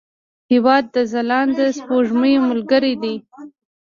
هېواد د ځلانده سپوږمۍ ملګری دی.